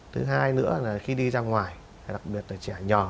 thứ hai nữa là khi đi ra ngoài đặc biệt là trẻ nhỏ